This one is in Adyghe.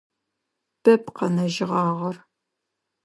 Бэп къэнэжьыгъагъэр.